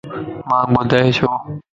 مانک ٻدائي ڇو؟